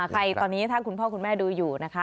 ใครตอนนี้ถ้าคุณพ่อคุณแม่ดูอยู่นะคะ